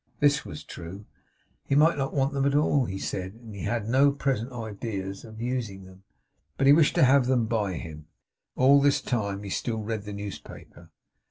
This was true. He might not want them at all, he said, and he had no present idea of using them; but he wished to have them by him. All this time he still read the newspaper.